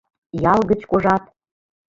Ял гыч кожат.